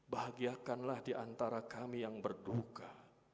bahagiakanlah di antara kami yang berduka